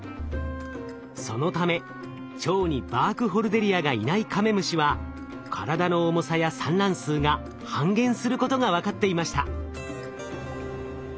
そのため腸にバークホルデリアがいないカメムシは体の重さや産卵数が半減することが分かっていました。